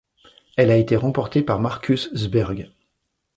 Elle a été remportée par Markus Zberg.